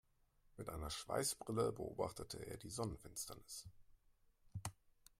Mit einer Schweißbrille beobachtete er die Sonnenfinsternis.